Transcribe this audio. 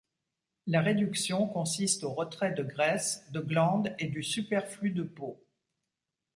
La réduction consiste au retrait de graisse, de glande et du superflu de peau.